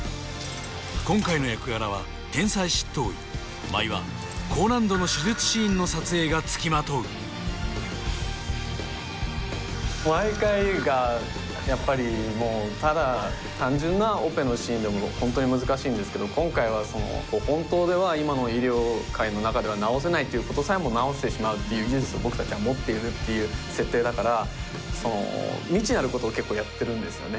今回の役柄は天才執刀医がつきまとう毎回がやっぱりもうただ単純なオペのシーンでも本当に難しいんですけど今回は本当では今の医療界の中では治せないということさえも治してしまうっていう技術を僕たちは持っているという設定だからその未知なることを結構やってるんですよね